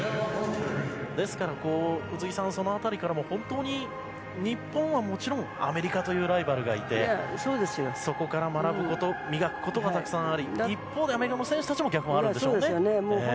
ですから、宇津木さんその辺りからも本当に日本はもちろんアメリカというライバルがいてそこから学ぶこと、磨くことがたくさんあり、一方でアメリカの選手たちも逆があるんですね。